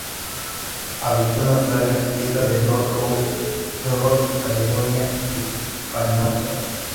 Habitó en Australia, isla de Lord Howe, Nueva Caledonia y Vanuatu.